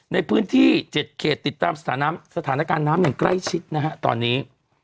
ในพื้นที่๗เขตติดตามสถานการณ์น้ำอย่างใกล้ชิดนะฮะตอนนี้